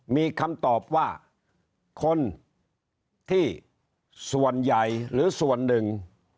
มีคำตอบว่าคนที่ส่วนใหญ่หรือส่วนหนึ่ง